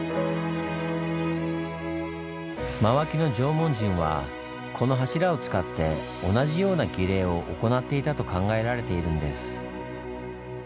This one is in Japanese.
真脇の縄文人はこの柱を使って同じような儀礼を行っていたと考えられているんです。